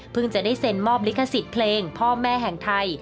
จะได้เซ็นมอบลิขสิทธิ์เพลงพ่อแม่แห่งไทย